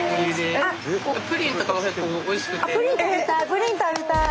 プリン食べたい！